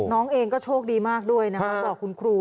น้องเองก็โชคดีมากด้วยนะคะบอกคุณครู